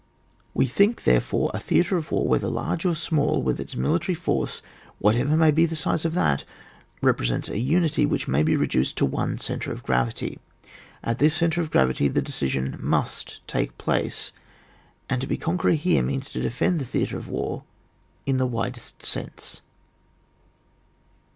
We think, therefore, a theatre of war, whether large or small, with its military force, whatever may be the size of that, represents a unity which may be reduced to one centre of gravity. At this centre of gravity the decision must take place, and to be conqueror here means to defend the theatre of war in the widest sense.